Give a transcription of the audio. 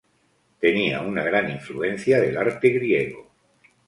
Tenía una gran influencia del arte griego.